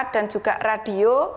dan juga radio